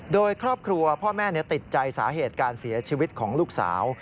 โดยครอบครัวพ่อแม่ติดใจสาเหตุการเสียชีวิตของลูกสาว